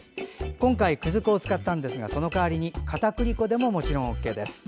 今回、くず粉を使ったんですがその代わりにかたくり粉でもＯＫです。